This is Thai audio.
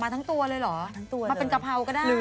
แต่มาทั้งตัวเลยเหรอมาเป็นกะเพราก็ได้มาทั้งตัวเลย